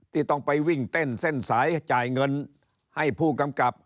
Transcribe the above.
ที่ต้องไปวิ่งเต้นเส้นสายจ่ายเงินให้ผู้กำกับ